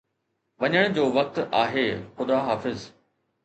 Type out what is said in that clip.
وڃڻ جو وقت آهي، خدا حافظ